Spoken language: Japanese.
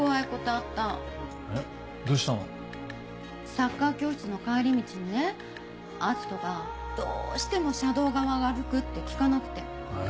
サッカー教室の帰り道にね篤斗がどうしても車道側歩くって聞かなくてえぇ？